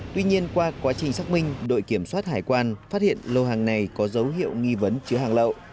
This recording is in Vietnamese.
tuy nhiên qua quá trình xác minh đội kiểm soát hải quan phát hiện lô hàng này có dấu hiệu nghi vấn chứa hàng lậu